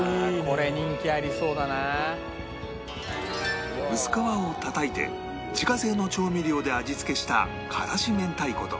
これ薄皮をたたいて自家製の調味料で味付けした辛子明太子と